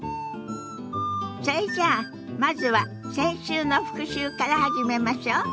それじゃあまずは先週の復習から始めましょ。